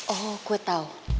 oh gue tahu